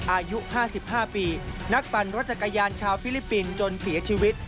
อายุ๕๕ปีนักปั่นรถจักรยานชาวฟิลิปปินส์จนเสียชีวิต